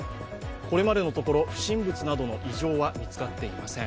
これまでのところ不審物などの異常は見つかっていません。